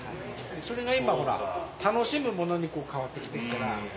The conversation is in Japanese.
それが今ほら楽しむものに変わってきてるから。